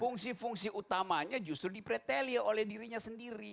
fungsi fungsi utamanya justru dipretelia oleh dirinya sendiri